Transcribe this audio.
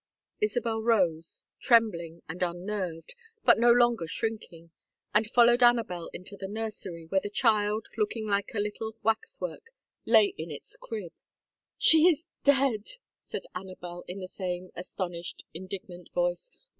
Isabel rose, trembling and unnerved, but no longer shrinking, and followed Anabel into the nursery, where the child, looking like a little wax work, lay in its crib. "She is dead!" said Anabel, in the same astonished indignant voice.